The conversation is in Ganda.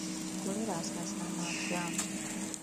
Kkolera asaasaana atya?